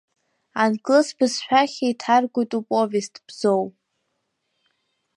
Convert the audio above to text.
Англыз бызшәахь еиҭаргоит уповест Бзоу.